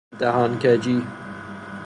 دهان کجی